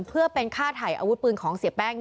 เพื่อเป็นค่าถ่ายอาวุธปืนของเสียแป้ง